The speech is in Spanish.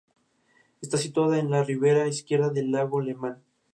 Está situada en la ribera izquierda del lago Lemán.